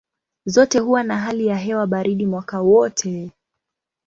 Zote huwa na hali ya hewa baridi mwaka wote.